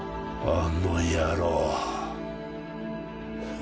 あの野郎っ